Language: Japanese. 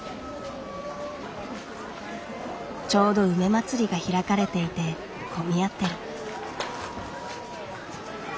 ちょうど梅まつりが開かれていて混み合ってる。